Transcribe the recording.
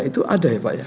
itu ada ya pak ya